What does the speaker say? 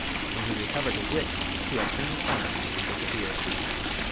When he recovered his wits she had turned the corner and disappeared.